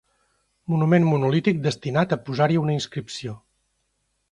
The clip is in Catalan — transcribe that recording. Monument monolític destinat a posar-hi una inscripció.